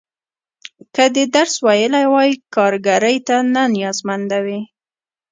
که دې درس ویلی وای، کارګرۍ ته نه نیازمنده وې.